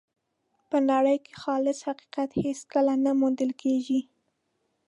په نړۍ کې خالص حقیقت هېڅکله نه موندل کېږي.